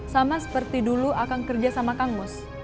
sama seperti dulu akang kerja sama kangus